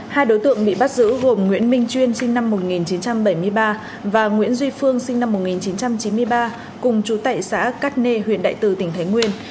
hai đối tượng bị bắt giữ gồm nguyễn minh chuyên sinh năm một nghìn chín trăm bảy mươi ba và nguyễn duy phương sinh năm một nghìn chín trăm chín mươi ba cùng chú tệ xã cát nê huyện đại từ tỉnh thái nguyên